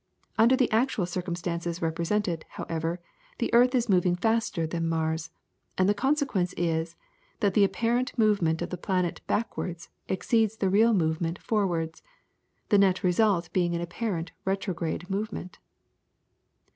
Under the actual circumstances represented, however, the earth is moving faster than Mars, and the consequence is, that the apparent movement of the planet backwards exceeds the real movement forwards, the net result being an apparent retrograde movement.